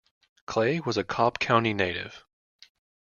Clay was a Cobb County native.